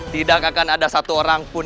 tidak akan ada satu orang pun